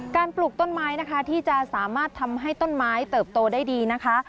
ปลูกต้นไม้นะคะที่จะสามารถทำให้ต้นไม้เติบโตได้ดีนะคะ